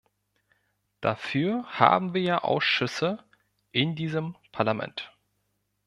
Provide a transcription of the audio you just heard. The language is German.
Dafür haben wir ja Ausschüsse in diesem Parlament.